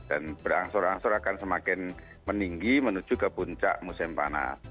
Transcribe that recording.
dan berangsur angsur akan semakin meninggi menuju ke puncak musim panas